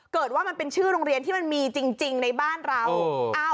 เกิดว่ามันเป็นชื่อโรงเรียนที่มันมีจริงในบ้านเรา